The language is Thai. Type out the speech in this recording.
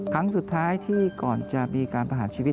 ครั้งสุดท้ายที่ก่อนจะมีการประหารชีวิต